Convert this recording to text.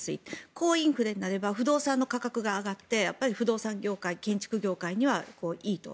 高インフレになれば不動産の価格が上がって不動産業界建築業界にはいいと。